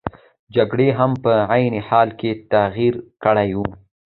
جګړې هم په عین حال کې تغیر کړی وو.